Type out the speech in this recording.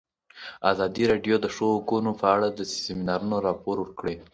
ازادي راډیو د د ښځو حقونه په اړه د سیمینارونو راپورونه ورکړي.